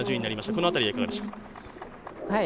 この辺りはいかがでしたか？